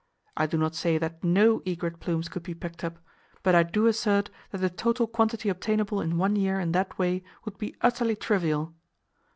I do not say that no egret plumes could be picked up, but I do assert that the total quantity obtainable in one year in that way would be utterly trivial.